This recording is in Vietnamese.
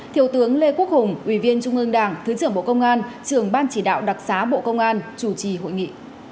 thiếu tướng lê quốc hùng ủy viên trung ương đảng thứ trưởng bộ công an trưởng ban chỉ đạo đặc xá bộ công an chủ trì hội nghị